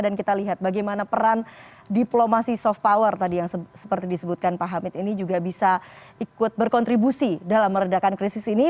kita lihat bagaimana peran diplomasi soft power tadi yang seperti disebutkan pak hamid ini juga bisa ikut berkontribusi dalam meredakan krisis ini